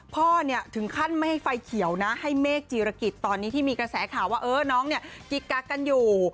พ่อเนี่ยถึงขั้นไม่ให้ไฟเขียวนะให้เมฆจีรกิจตอนนี้ที่มีกระแสข่าวว่าน้องเนี่ยกิ๊กกักกันอยู่